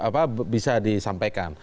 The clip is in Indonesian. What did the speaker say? apa bisa disampaikan